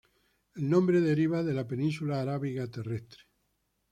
El nombre deriva de la península arábiga terrestre.